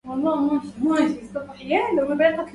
لنحاول الآن.